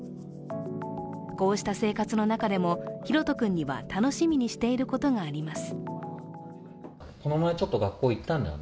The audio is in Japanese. こうした生活の中でも、ひろと君には楽しみにしていることがあります。